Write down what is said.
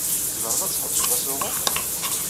Tzemreḍ ad tḥebseḍ asuɣu?